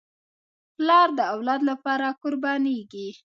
پلار د اولاد لپاره قربانېږي.